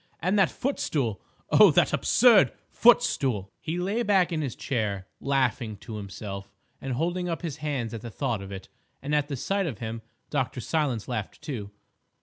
And that footstool! Oh, that absurd footstool!" He lay back in his chair, laughing to himself and holding up his hands at the thought of it, and at the sight of him Dr. Silence laughed, too.